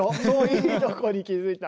いいところに気付いた。